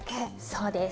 そうです。